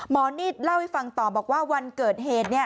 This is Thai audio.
นิดเล่าให้ฟังต่อบอกว่าวันเกิดเหตุ